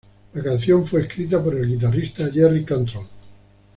La canción fue escrita por el guitarrista Jerry Cantrell.